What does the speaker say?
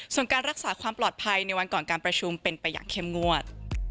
ส่วนการรักษาความปลอดภัยในวันก่อนการประชุมเป็นไปอย่างเข้มงวด